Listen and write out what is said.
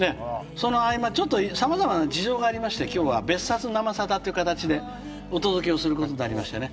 その合間ちょっとさまざまな事情がありまして今日は「別冊生さだ」という形でお届けをすることになりましてね。